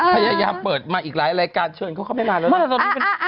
พยายามเปิดมาอีกหลายรายการเชิญเขาเขาไม่มาแล้วนะ